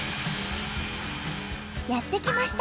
やって来ました！